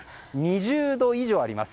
２０度以上あります。